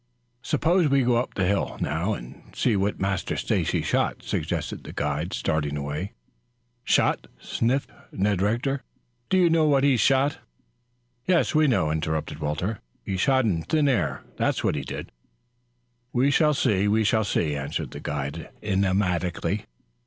"Suppose we go up the hill now and see what Master Stacy shot," suggested the guide, starting away. "Shot?" sniffed Ned Rector. "Don't you know what he shot?" "Yes, we know," interrupted Walter. "He shot thin air, that's what he did." "We shall see, we shall see," answered the guide enigmatically.